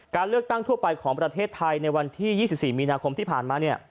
การเลือกตั้งทั่วไปของประเทศไทยในวันที่๒๔มีนาคมที่ผ่านมา